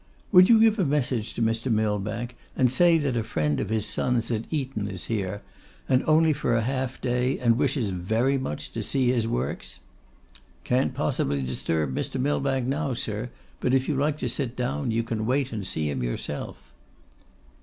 'Would you give a message to Mr. Millbank, and say a friend of his son's at Eton is here, and here only for a day, and wishes very much to see his works?' 'Can't possibly disturb Mr. Millbank now, sir; but, if you like to sit down, you can wait and see him yourself.